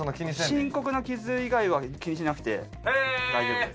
深刻な傷以外は気にしなくて大丈夫です。